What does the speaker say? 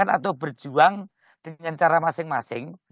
atau berjuang dengan cara masing masing